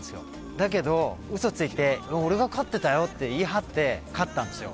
だけど嘘ついて「俺が勝ってたよ」って言い張って勝ったんですよ。